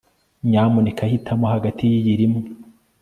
Nyamuneka hitamo hagati yiyi nimwe